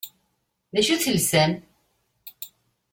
D acu i telsam?